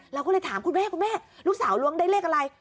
เราก็เลยถามคุณแม่คุณแม่ลูกสาวล้วงได้เลขอะไร